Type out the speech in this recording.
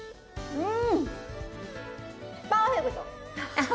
うん！